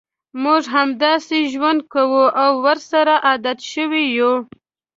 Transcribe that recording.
موږ همداسې ژوند کوو او ورسره عادت شوي یوو.